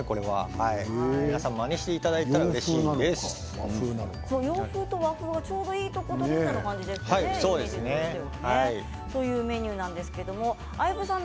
皆さん、まねしていただいたら洋風と和風のちょうどいい感じなんですよね。